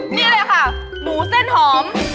นี่เลยค่ะหมูเส้นหอม